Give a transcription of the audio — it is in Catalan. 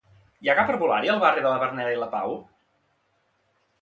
Hi ha cap herbolari al barri de la Verneda i la Pau?